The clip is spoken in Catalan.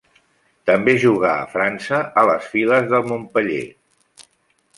També jugà a França a les files del Montpeller.